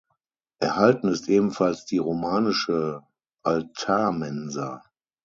Erhalten ist ebenfalls die romanische Altarmensa.